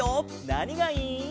なにがいい？